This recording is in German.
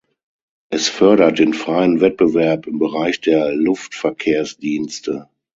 Es fördert den freien Wettbewerb im Bereich der Luftverkehrsdienste.